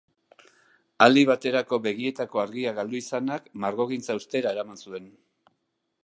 Aldi baterako begietako argia galdu izanak margogintza uztera eraman zuen.